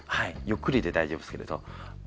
ゆっくりで大丈夫ですけれど。